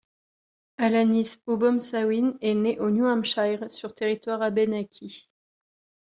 Alanis Obomsawin est née au New Hampshire sur territoire abénaquis.